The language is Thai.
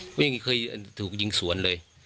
เขายิงเคยถูกยิงสวนเลย